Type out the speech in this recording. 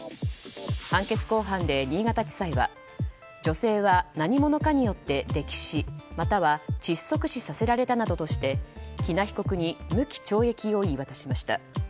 判決公判で新潟地裁は女性は何者かによって溺死または窒息死させられたなどとして喜納被告に無期懲役を言い渡しました。